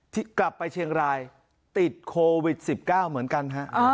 กลับไปเชียงรายติดโควิด๑๙เหมือนกันฮะ